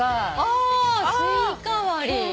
あスイカ割り。